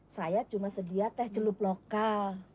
saya cuma sedia teh celup lokal